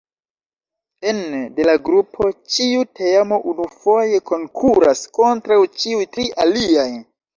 Ene de la grupo ĉiu teamo unufoje konkuras kontraŭ ĉiuj tri aliaj.